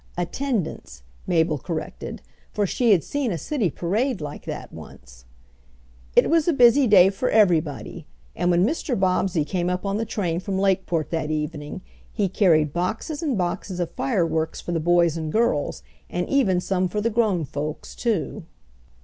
"Attendants," Mabel corrected, for she had seen a city parade like that once. It was a busy day for everybody, and when Mr. Bobbsey came up on the train from Lakeport that evening he carried boxes and boxes of fireworks for the boys and girls, and even some for the grown folks too.